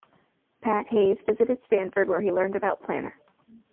Pat Hayes visited Stanford where he learned about Planner.